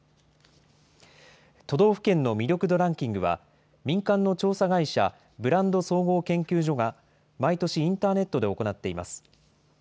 都道府県の魅力度ランキングは、民間の調査会社、ブランド総合研究所が、毎年、インターネットで行っています。